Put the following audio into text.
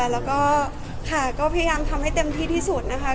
แล้วก็ค่ะก็พยายามทำให้เต็มที่ที่สุดนะคะ